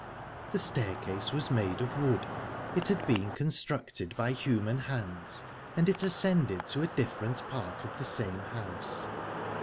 The staircase was made of wood, it had been constructed by human hands, and it ascended to a different part of the same house.